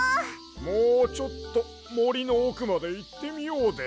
もうちょっともりのおくまでいってみようで。